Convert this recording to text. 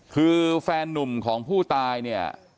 คือแฟนนุ่มของผู้ตายเนี่ย